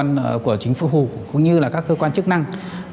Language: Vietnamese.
là những quyết tâm của chính phủ hùng cũng như các cơ quan chức năng